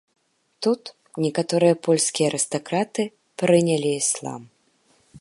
Тут некаторыя польскія арыстакраты прынялі іслам.